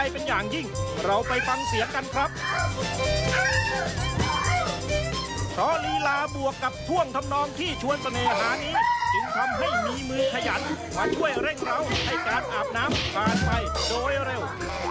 เพราะลีลาบวกกับท่วงทำนองที่ชวนเสน่หานี้จึงทำให้มีมือขยันมาช่วยเร่งร้าวให้การอาบน้ำผ่านไปโดยเร็ว